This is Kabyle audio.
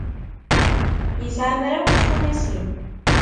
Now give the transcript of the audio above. Yesɛa mraw n tfunasin.